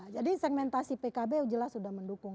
jadi segmentasi pkb jelas sudah mendukung